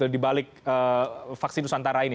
di balik vaksin nusantara ini